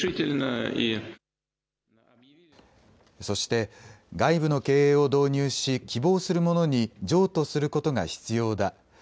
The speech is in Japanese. そして外部の経営を導入し希望する者に譲渡することが必要だ。